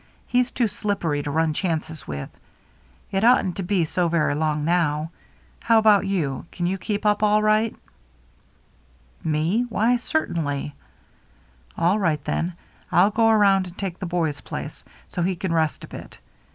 He's too slippery to run chances with. It oughtn't to be so very long now. How about you — can you keep up all right?" " Me ? Why, certainly." 362 THE MERRT ANNE "All right, then. I'll go around and take the boy's place, so he can rest a bit.